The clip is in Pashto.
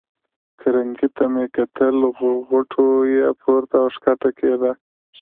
کرنکې ته مې کتل، غوټو یې پورته او کښته کېده.